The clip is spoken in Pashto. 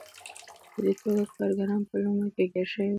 په دې توګه کارګران په لومه کې ګیر شوي وو.